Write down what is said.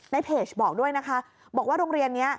ในเพจบอกด้วยนะคะบอกว่าโรงเรียนนี้